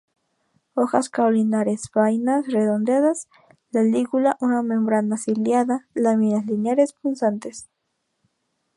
Hojas caulinares; vainas redondeadas; la lígula una membrana ciliada; láminas lineares, punzantes.